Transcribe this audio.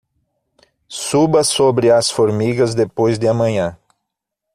Suba sobre as formigas depois de amanhã